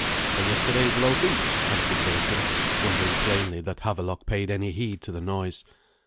"A yesterday's loaf each," answered Berthun, wondering plainly that Havelok paid any heed to the noise.